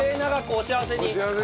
お幸せに。